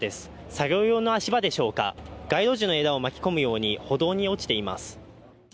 作業用の足場でしょうか、街路樹の枝を巻き込むように歩道に落ちています。